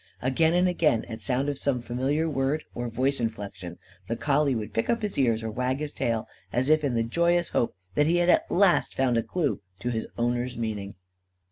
Again and again, at sound of some familiar word or voice inflection, the collie would pick up his ears or wag his tail, as if in the joyous hope that he had at last found a clue to his owner's meaning.